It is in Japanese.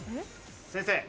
先生